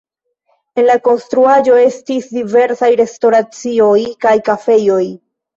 En la konstruaĵo estis diversaj restoracioj kaj kafejoj.